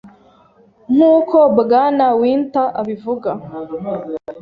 Nkuko Bwana Winter abivuga,